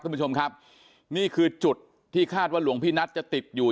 คุณผู้ชมครับนี่คือจุดที่คาดว่าหลวงพี่นัทจะติดอยู่